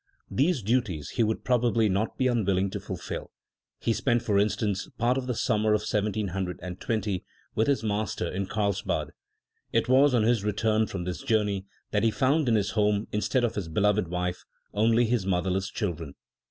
These duties he would probably not be unwilling to fulfil. He spent, for instance, part of the summer of 1720 with his master in Karlsbad. It was on his return from this journey that he found in his home, instead of his beloved wife, only his motherless children.